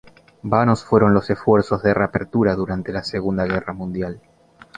Vanos fueron los esfuerzos de reapertura durante la Segunda Guerra Mundial.